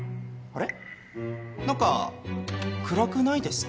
あれ？